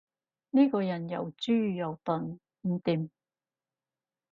呢個人又豬又鈍，唔掂